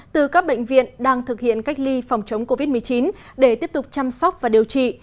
từ các bệnh viện đang thực hiện cách ly phòng chống covid một mươi chín để tiếp tục chăm sóc và điều trị